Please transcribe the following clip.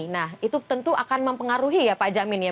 nah itu tentu akan mempengaruhi ya pak jamin ya